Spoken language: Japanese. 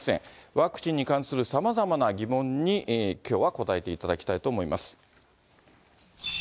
ワクチンに関するさまざまな疑問に、きょうは答えていただきたいと思います。